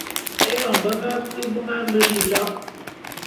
Eyon be nga kui vôm a mbe bilok.